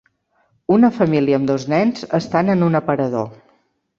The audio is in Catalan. Una família amb dos nens estan en un aparador.